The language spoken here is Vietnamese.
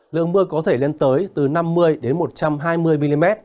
lượng mưa có thể lên tới từ năm mươi đến một trăm hai mươi mm